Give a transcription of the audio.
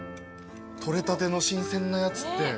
取れたての新鮮なやつって。